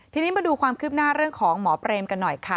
ทีนี้มาดูความคืบหน้าเรื่องของหมอเปรมกันหน่อยค่ะ